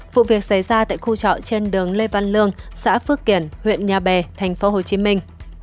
vụ việc xảy ra tại khu trọ trên đường lê văn lương xã phước kiển huyện nhà bè thành phố hồ chí minh